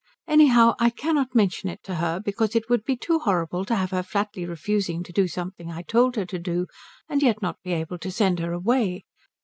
Anyhow I cannot mention it to her, because it would be too horrible to have her flatly refusing to do something I told her to do and yet not be able to send her away.